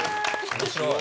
面白い。